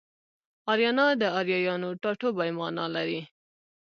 اریانا د اریایانو ټاټوبی مانا لري